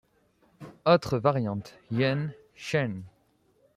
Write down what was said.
Autres variantes: Yeun, Cheun.